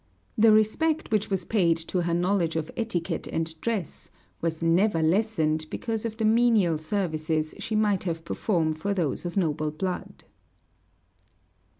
The respect which was paid to her knowledge of etiquette and dress was never lessened because of the menial services she might have performed for those of noble blood.